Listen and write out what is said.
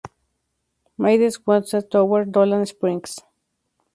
Midwest Tower Dolan Springs.